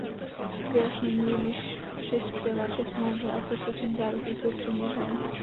Vyjasnění, jimiž přispěla ke smlouvě, a procesní záruky jsou přiměřené.